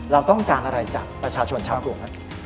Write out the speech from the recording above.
เราต้องการอะไรจากประชาชนชาวกรุงครับ